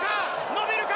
伸びるか？